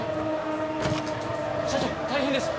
社長大変です！